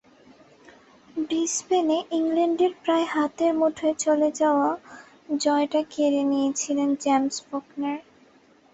ব্রিসবেনে ইংল্যান্ডের প্রায় হাতের মুঠোয় চলে যাওয়া জয়টা কেড়ে নিয়েছিলেন জেমস ফকনার।